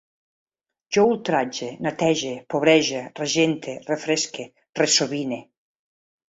Jo ultratge, netege, pobrege, regente, refresque, ressobine